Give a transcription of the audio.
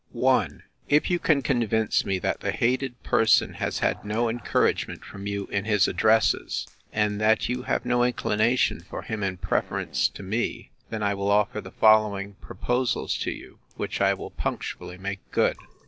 'I. If you can convince me that the hated parson has had no encouragement from you in his addresses; and that you have no inclination for him in preference to me; then I will offer the following proposals to you, which I will punctually make good.